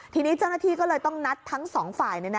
ทีนี้เจ้าหน้าที่ก็เลยต้องนัดทั้งสองฝ่าย